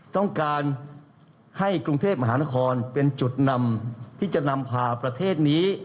ต้องการให้กรุงเทพมหานครเป็นจุดนำที่จะนำพาประเทศนี้